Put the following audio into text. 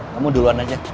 kamu duluan aja